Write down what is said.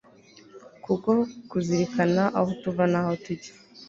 kubwo kuzirikana aho tuva n'aho tujya